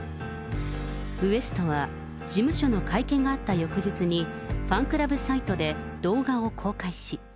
ＷＥＳＴ．は事務所の会見があった翌日に、ファンクラブサイトで動画を公開し。